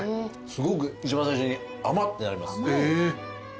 すごく一番最初に「甘っ！」ってなります。